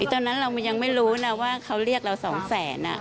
ตอนนั้นเรายังไม่รู้นะว่าเขาเรียกเรา๒แสน